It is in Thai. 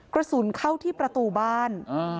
กระสุนเข้าที่ประตูบ้าน